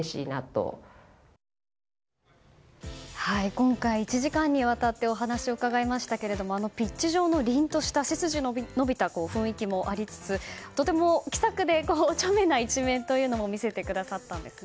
今回、１時間にわたってお話を伺いましたけれどもピッチ上の凛とした背筋の伸びた雰囲気もありつつとても気さくでおちゃめな一面も見せてくださったんです。